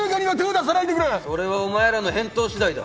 それはお前らの返答しだいだ。